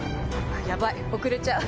ヤバい遅れちゃう！